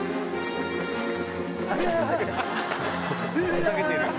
ふざけてる！